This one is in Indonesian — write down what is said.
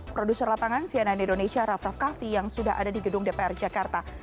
produser lapangan cnn indonesia raff raff kaffi yang sudah ada di gedung dpr jakarta